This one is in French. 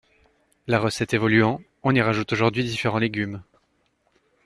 La recette évoluant, on y rajoute aujourd’hui différents légumes.